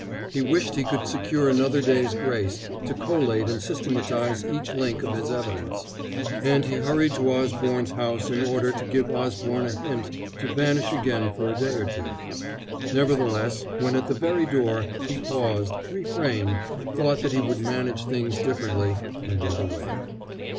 He wished he could secure another day's grace to collate and systematize each link of his evidence, and he hurried to Osborne's house in order to give Osborne a hint to vanish again for a day or two. Nevertheless, when at the very door, he paused, refrained, thought that he would manage things differently, and went away.